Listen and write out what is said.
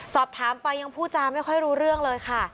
สอบถามไปยังพูดจาไม่ค่อยรู้เรื่องเลยค่ะ